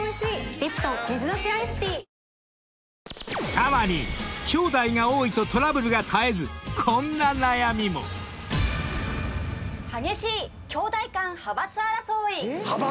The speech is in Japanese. ［さらにきょうだいが多いとトラブルが絶えずこんな悩みも］派閥？